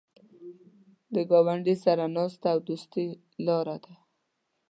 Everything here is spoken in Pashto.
د ګاونډي سره ناسته د دوستۍ لاره ده